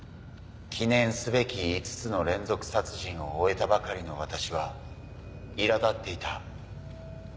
記念すべき５つの連続殺人を終えたばかりの私は苛立っていた。